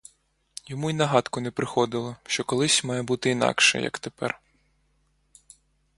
Йому й на гадку не приходило, що колись має бути інакше, як тепер.